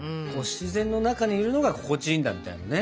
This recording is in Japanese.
自然の中にいるのが心地いいんだみたいなね。